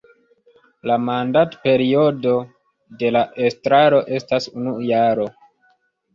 La mandatperiodo de la estraro estas unu jaro.